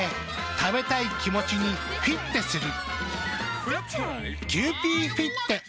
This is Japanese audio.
食べたい気持ちにフィッテする。